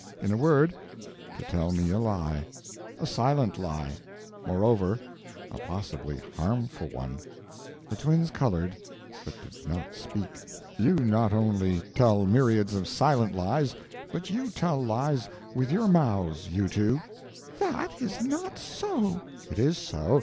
In a word, to tell me a lie a silent lie. Moreover, a possibly harmful one." The twins colored, but did not speak. "You not only tell myriads of silent lies, but you tell lies with your mouths you two." "_That _is not so!" "It is so.